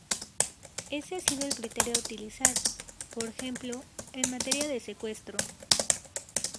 Ese ha sido el criterio a utilizar, por ejemplo, en materia de secuestro.